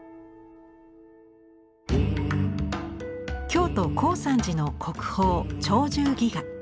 京都・高山寺の国宝「鳥獣戯画」。